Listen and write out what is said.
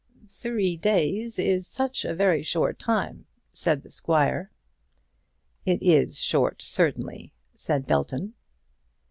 "Three days is such a very short time," said the squire. "It is short certainly," said Belton.